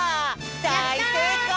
だいせいこう！